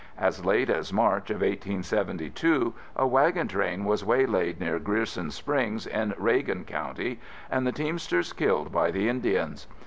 As late as March of 1872, a wagon train was waylaid near Grierson Springs in Reagan County and the teamsters killed by the Indians.